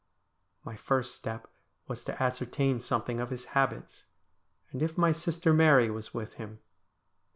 My first step was to ascertain something of his habits, and if my sister Mary was with him.